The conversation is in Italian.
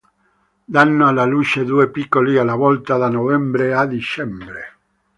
Danno alla luce due piccoli alla volta da novembre a dicembre.